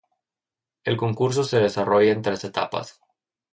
El concurso se desarrolla en tres etapas.